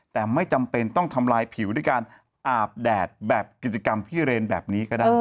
แต่ไม่จำเป็นต้องทำลายผิวด้วยการอาบแดดแบบกิจกรรมพี่เรนแบบนี้ก็ได้